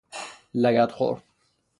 لگد خور